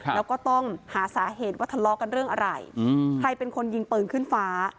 แล้วก็ต้องหาสาเหตุว่าทะเลาะกันเรื่องอะไรใครเป็นคนยิงปืนขึ้นฟ้า